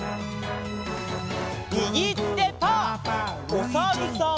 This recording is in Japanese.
おさるさん。